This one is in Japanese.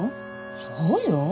そうよ。